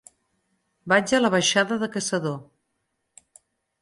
Vaig a la baixada de Caçador.